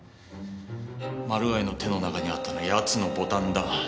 マルガイの手の中にあったのは奴のボタンだ。